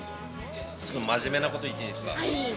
真面目なこと言っていいですか？